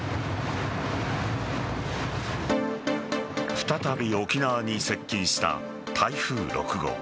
再び沖縄に接近した台風６号。